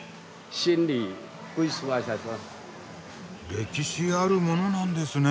歴史あるものなんですね？